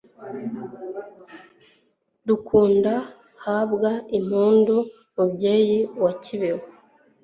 dukunda, habwa impundu, mubyeyi wa kibeho